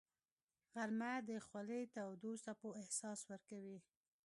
غرمه د خولې تودو څپو احساس ورکوي